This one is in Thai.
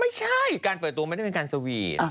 ไม่ใช่การเปิดตัวไม่ได้เป็นการสวีท